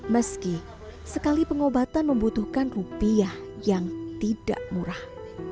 meski sekali pengobatan membutuhkan rupiah yang tidak murah